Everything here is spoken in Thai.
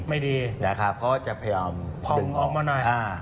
เพราะจะพยายามพ่องออกมาหน่อย